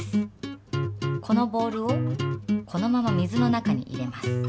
このボールをこのまま水の中に入れます。